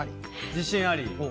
自信あり。